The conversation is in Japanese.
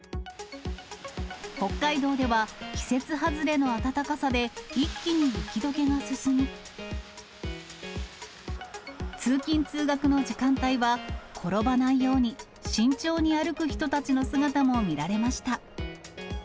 北海道では、季節外れの暖かさで、一気に雪どけが進み、通勤・通学の時間帯は、転ばないように慎重に歩く人たちの姿も見られました。